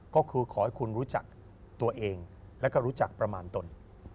ก็คือขอให้คุณรู้จักตัวเองและก็รู้จักประมาณตน